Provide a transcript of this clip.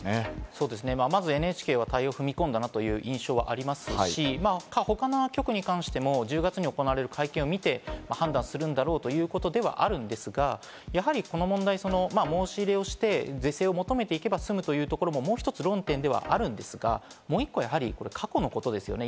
そうですね、まずＮＨＫは対応、踏み込んだなという印象がありますし、他の局に関しても１０月に行われる会見を見て判断するんだろうということではあるんですけれども、やはりこの問題、申し入れをして、是正を求めていけば済むというところも、もう１つ論点ではあるんですが、もう一個、過去のことですね。